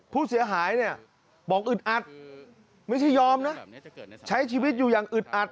ผู้เสียหายเนี่ยบอกอึดอัดไม่ใช่ยอมนะใช้ชีวิตอยู่อย่างอึดอัด